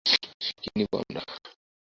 কী নিবো আমরা?